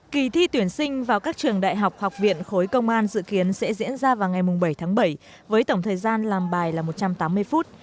kỳ thi tuyển sinh vào các trường đại học học viện khối công an dự kiến sẽ diễn ra vào ngày bảy tháng bảy với tổng thời gian làm bài là một trăm tám mươi phút